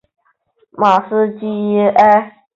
马斯基埃。